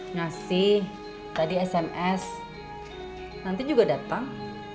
ngasih tadi sms nanti juga datang